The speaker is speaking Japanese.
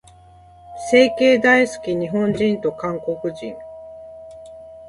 整形大好き、日本人と韓国人。